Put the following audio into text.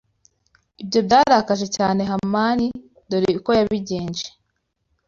Ibyo byarakaje cyane Hamani. Dore uko yabigenje